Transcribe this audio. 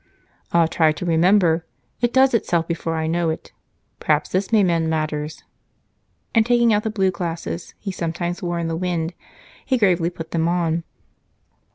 "I'll try to remember. It does itself before I know it. Perhaps this may mend matters." And, taking out the blue glasses he sometimes wore in the wind, he gravely put them on.